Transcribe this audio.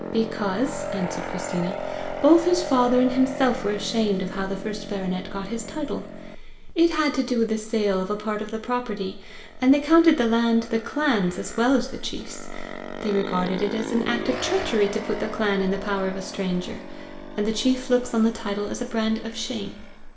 "Because," answered Christina, "both his father and himself were ashamed of how the first baronet got his title. It had to do with the sale of a part of the property, and they counted the land the clan's as well as the chief's. They regarded it as an act of treachery to put the clan in the power of a stranger, and the chief looks on the title as a brand of shame."